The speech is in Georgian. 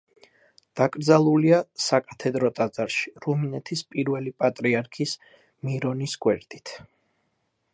დაკრძალულია საკათედრო ტაძარში რუმინეთის პირველი პატრიარქის მირონის გვერდით.